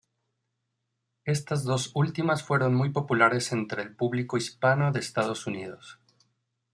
Estas dos últimas fueron muy populares entre el público hispano de Estados Unidos.